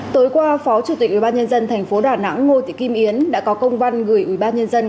tối qua phó chủ tịch ubnd tp đà nẵng ngô thị kim yến đã có công văn gửi ubnd các cơ quan chống dịch covid một mươi chín